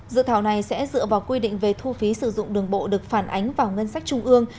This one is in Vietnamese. dự thảo này sẽ dựa vào quy định về thu phí sử dụng đường bộ được phản ánh vào ngân sách trung ương